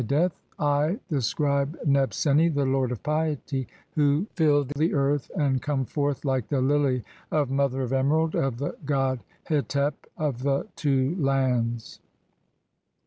"death, I, the scribe Nebseni, the lord of piety, who rill the "earth and come forth like the lily of mother of emerald, of the "god Hetep of the two lands."